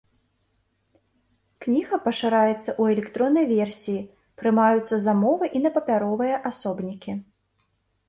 Кніга пашыраецца ў электроннай версіі, прымаюцца замовы і на папяровыя асобнікі.